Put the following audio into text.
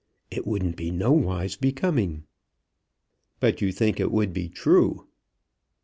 It wouldn't be no wise becoming." "But you think it would be true."